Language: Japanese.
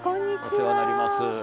お世話になります。